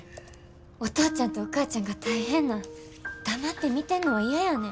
お父ちゃんとお母ちゃんが大変なん黙って見てんのは嫌やねん。